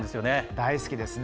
大好きですね。